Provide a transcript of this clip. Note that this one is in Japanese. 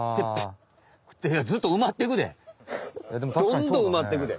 どんどんうまってくで。